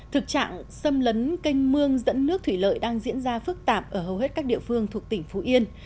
thực trạng xâm lấn canh mương dẫn nước thủy lợi đang diễn ra phức tạp ở hầu hết các địa phương thuộc tỉnh phú yên